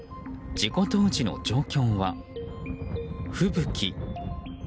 事故当時の状況は、吹雪。